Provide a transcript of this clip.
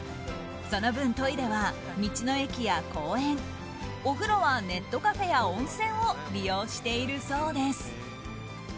その分、トイレは道の駅や公園お風呂はネットカフェや温泉を利用しているそうです。